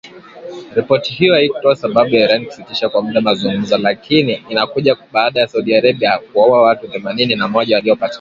Ripoti hiyo haikutoa sababu ya Iran kusitisha kwa muda mazungumzo, lakini inakuja baada ya Saudi Arabia kuwaua watu themanini na moja waliopatikana